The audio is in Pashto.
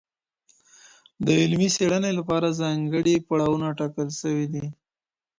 د علمي څېړني لپاره ځانګړي پړاوونه ټاکل سوي دي.